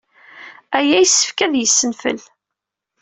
Aya yessefk ad yessenfel.